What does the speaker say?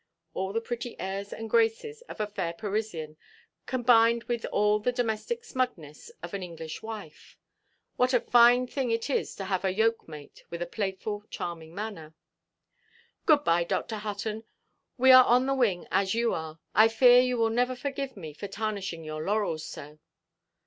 All the pretty airs and graces of a fair Parisian, combined with all the domestic snugness of an English wife! What a fine thing it is to have a yoke–mate with a playful, charming manner! "Good–bye, Dr. Hutton. We are on the wing, as you are. I fear you will never forgive me for tarnishing your laurels so."